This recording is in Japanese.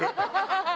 ハハハハ！